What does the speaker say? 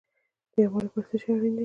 د یووالي لپاره څه شی اړین دی؟